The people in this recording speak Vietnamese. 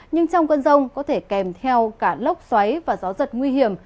nhưng trong cơn rông có thể kèm theo cả lốc xoáy và gió giật nguy hiểm